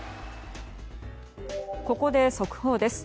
ここで速報です。